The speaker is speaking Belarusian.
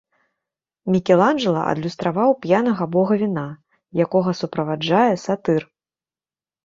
Мікеланджэла адлюстраваў п'янага бога віна, якога суправаджае сатыр.